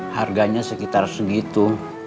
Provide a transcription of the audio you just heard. harganya sekitar segitu